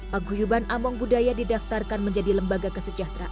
paguyuban among budaya didaftarkan menjadi lembaga kesejahteraan